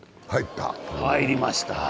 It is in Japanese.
入りました。